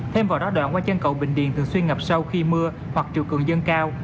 thêm vào đó đoạn qua chân cầu bình điền thường xuyên ngập sâu khi mưa hoặc chiều cường dân cao